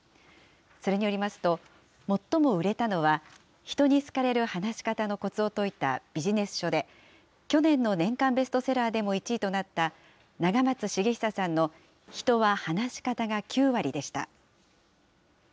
それによりますと、最も売れたのは、人に好かれる話し方のこつを説いたビジネス書で、去年の年間ベストセラーでも１位となった、永松茂久さんの人は話し方が９割でした。